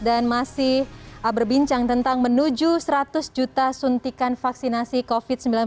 dan masih berbincang tentang menuju seratus juta suntikan vaksinasi covid sembilan belas